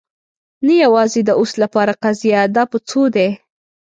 نه، یوازې د اوس لپاره قضیه. دا په څو دی؟